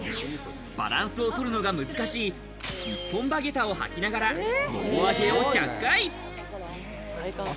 バランスをとるのが難しい、一本歯下駄をはきながら、もも上げを１００回。